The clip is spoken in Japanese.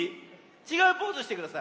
ちがうポーズしてください。